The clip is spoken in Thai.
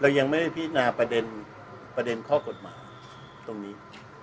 เรายังไม่พินาประเด็นประเด็นข้อกฎหมายตรงนี้